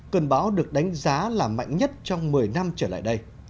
cơn bão được đánh giá là mạnh nhất trong một mươi năm trở lại đây